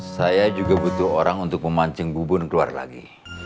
saya juga butuh orang untuk memancing bubun keluar lagi